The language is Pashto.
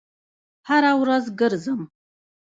هره ورځ ګرځم